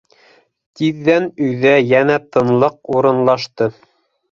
Тиҙҙән өйҙә йәнә тынлыҡ урынлашты.